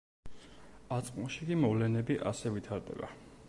აწმყოში კი მოვლენები ასე ვითარდება.